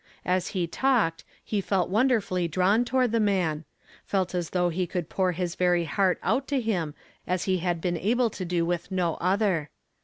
As he talked he felt wonderfully drawn toward the man ; felt as though he could pour his very heart out to him as he had been able to do with no other.